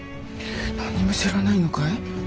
何も知らないのかい？